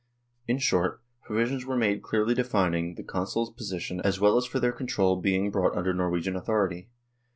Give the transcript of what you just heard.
In short, provisions were made clearly defining the Consuls' position as well as for their control being brought under Norwegian authority.